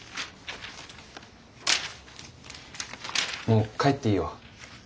もう帰っていいよ。